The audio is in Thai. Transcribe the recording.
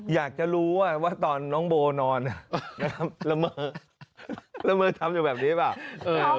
อยากจะรู้ว่าตอนน้องโบนอนแล้วเมอร์ทำอยู่แบบนี้หรือเปล่า